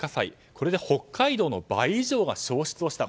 これで北海道の倍以上が焼失をした。